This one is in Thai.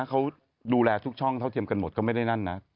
เขาดูแลทุกช่องเท่าเทียมกันหมดก็ไม่ได้นั่นนะ